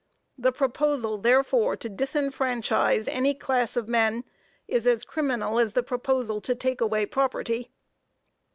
The proposal, therefore, to disfranchise any class of men is as criminal as the proposal to take away property."